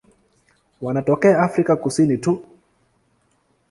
Wanatokea Afrika Kusini tu.